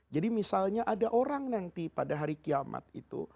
jadi misalnya ada orang nanti pada hari kiamat itu